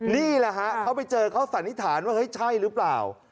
นี่แหละฮะเขาไปเจอเขาสันนิษฐานว่าเฮ้ยใช่หรือเปล่า